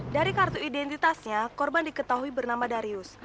dari kartu identitasnya korban diketahui bernama darius